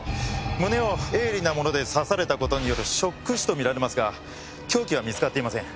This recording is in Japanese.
胸を鋭利なもので刺された事によるショック死と見られますが凶器は見つかっていません。